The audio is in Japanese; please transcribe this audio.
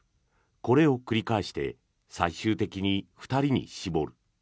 これを繰り返して最終的に２人に絞る。